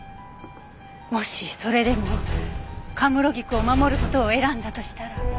もしそれでも神室菊を守る事を選んだとしたら。